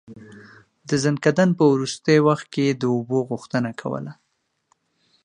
د ځنکدن په وروستی وخت يې د اوبو غوښتنه کوله.